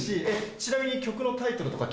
ちなみに曲のタイトルとか聞いても。